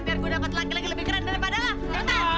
biar gua dapat lagi lagi lebih keren daripada lu